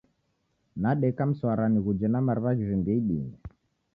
Nadeka mswara nighuje na mariw'a ghivimbie idime.